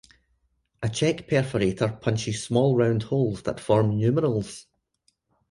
A check perforator punches small round holes that form numerals.